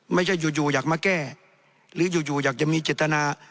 ไม่ใช่อยู่อยู่อยากมาแก้หรืออยู่อยู่อยากจะมีจิตนา